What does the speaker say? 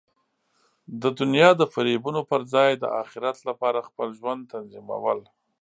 د دنیا د فریبونو پر ځای د اخرت لپاره خپل ژوند تنظیمول.